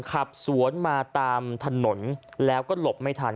ขับสวนมาตามถนนแล้วก็หลบไม่ทัน